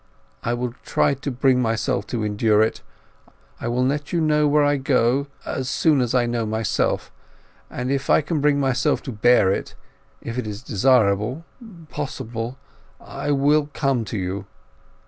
I will try to bring myself to endure it. I will let you know where I go to as soon as I know myself. And if I can bring myself to bear it—if it is desirable, possible—I will come to you.